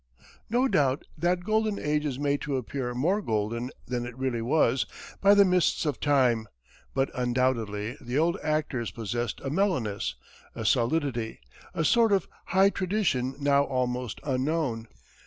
No doubt that golden age is made to appear more golden than it really was by the mists of time; but undoubtedly the old actors possessed a mellowness, a solidity, a sort of high tradition now almost unknown.